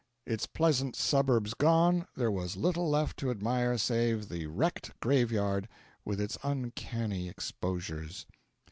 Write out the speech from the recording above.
Its pleasant suburbs gone, there was little left to admire save the wrecked graveyard with its uncanny exposures.